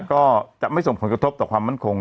ก็จะไม่ส่งผลกระทบต่อความมั่นคง